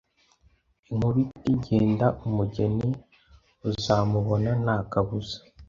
inkuba iti Genda umugeni uzamubona ntakabuza